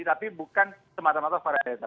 tapi bukan semata mata varian delta